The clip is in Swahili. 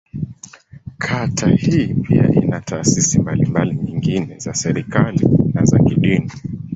Kata hii pia ina taasisi mbalimbali nyingine za serikali, na za kidini.